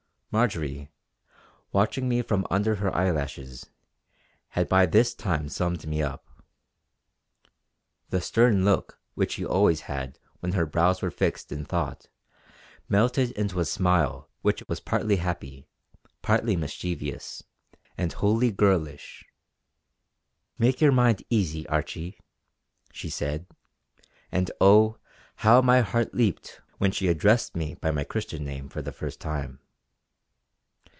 Marjory, watching me from under her eyelashes, had by this time summed me up. The stern look which she always had when her brows were fixed in thought, melted into a smile which was partly happy, partly mischievous, and wholly girlish. "Make your mind easy, Archie" she said, and oh! how my heart leaped when she addressed me by my Christian name for the first time.